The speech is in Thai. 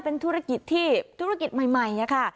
เป็นธุรกิจที่ธุรกิจใหม่ค่ะ